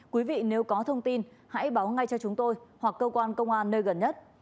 quý vị nếu có thông tin hãy báo ngay cho chúng tôi hoặc cơ quan công an nơi gần nhất